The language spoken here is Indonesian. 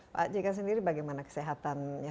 pak jk sendiri bagaimana kesehatannya